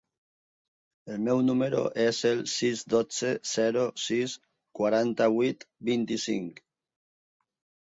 El meu número es el sis, dotze, zero, sis, quaranta-vuit, vint-i-cinc.